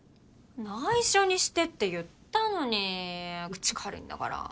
内緒にしてって言ったのに口軽いんだから。